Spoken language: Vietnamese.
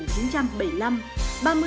ba mươi tháng bốn năm hai nghìn hai mươi